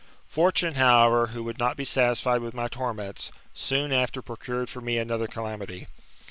Fortune, however, who would not be satisfied with my torments, soon after procured for me another calamity.